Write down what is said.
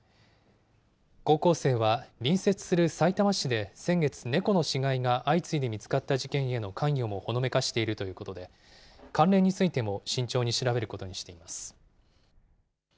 高校生は隣接するさいたま市で先月、猫の死骸が相次いで見つかった事件への関与もほのめかしているということで、関連についても慎重に調べることにしています。